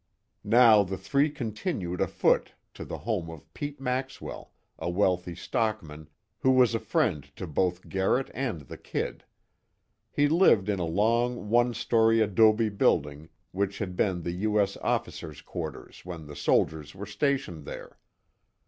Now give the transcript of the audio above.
Now the three continued afoot to the home of Pete Maxwell, a wealthy stockman, who was a friend to both Garrett and the "Kid." He lived in a long, one story adobe building, which had been the U. S. officers' quarters when the soldiers were stationed there.